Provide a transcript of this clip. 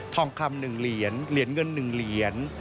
ทองคำ๑เหรียญเหรียญเงิน๑เหรียญ